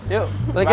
yuk balik ya